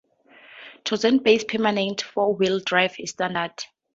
Torsen-based permanent four-wheel drive is standard.